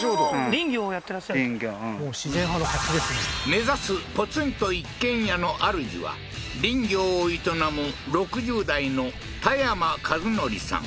目指すポツンと一軒家のあるじは林業を営む６０代のタヤマカズノリさん